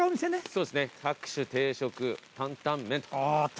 そうですね「各種定食タンタンメン」あった。